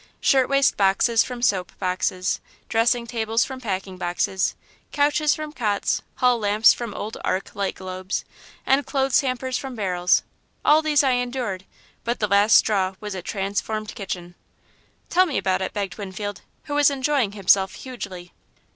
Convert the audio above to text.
Shirtwaist boxes from soap boxes, dressing tables from packing boxes, couches from cots, hall lamps from old arc light globes, and clothes hampers from barrels all these I endured, but the last straw was a 'transformed kitchen.'" "Tell me about it," begged Winfield, who was enjoying himself hugely.